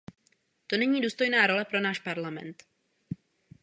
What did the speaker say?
To není důstojná role pro náš Parlament.